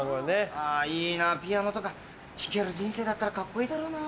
いいなピアノとか弾ける人生だったらカッコいいだろうな。